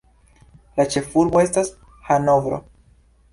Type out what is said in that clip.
La ĉefurbo estas Hanovro.